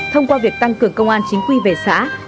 thông qua việc tăng cường công an chính quy về xã